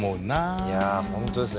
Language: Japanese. いやホントですね。